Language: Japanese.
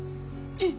えっ。